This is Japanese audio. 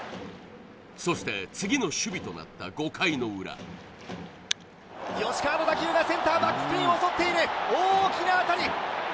そして次の守備となった５回の裏吉川の打球がセンターバックスクリーンを襲っている大きな当たり